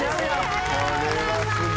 ありがとうございます。